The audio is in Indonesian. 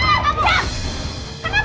kenapa kalian ribut ribut terima saya